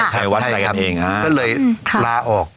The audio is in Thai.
ใครวัดใจกันเองใช่ครับก็เลยลาออก